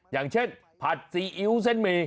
อย่างเช่นผัดซีอิ๊วเส้นหมี่